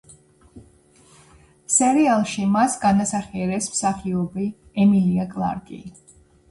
სერიალში მას განასახიერებს მსახიობი ემილია კლარკი.